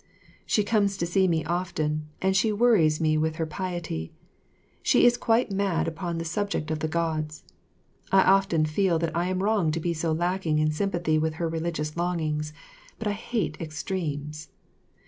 She comes to see me often, and she worries me with her piety; she is quite mad upon the subject of the Gods. I often feel that I am wrong to be so lacking in sympathy with her religious longings; but I hate extremes.